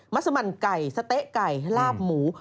ัสมันไก่สะเต๊ะไก่ลาบหมู